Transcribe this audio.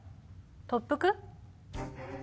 特服？